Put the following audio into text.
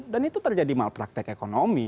dan itu terjadi malpraktek ekonomi